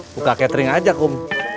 buka catering aja kum